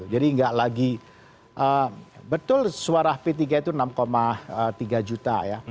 jadi nggak lagi betul suara p tiga itu enam tiga juta ya